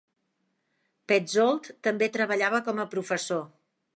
Petzold també treballava com a professor.